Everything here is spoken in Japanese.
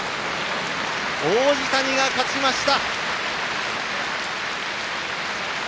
王子谷が勝ちました！